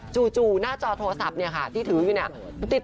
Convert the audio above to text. จู่หน้าจอโทรศัพท์เนี่ยค่ะที่ถืออยู่เนี่ย